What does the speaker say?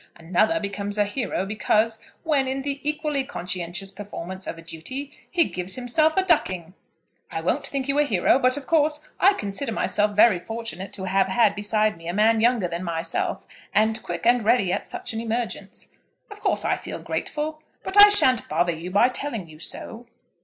Another becomes a hero because, when in the equally conscientious performance of a duty, he gives himself a ducking. I won't think you a hero; but, of course, I consider myself very fortunate to have had beside me a man younger than myself, and quick and ready at such an emergence. Of course I feel grateful, but I shan't bother you by telling you so."